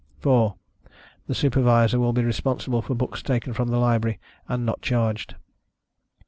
4. The Supervisor will be responsible for books taken from the library and not charged.